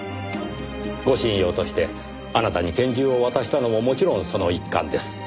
護身用としてあなたに拳銃を渡したのももちろんその一環です。